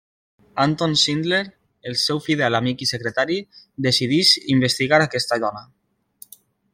Anton Schindler, el seu fidel amic i secretari, decideix investigar aquesta dona.